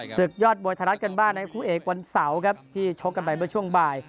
สุดยอดบวชธรรมกันบ้านครับคู่เอกวันเสาร์ครับที่ชกกันไปเมื่อช่วงบ่าย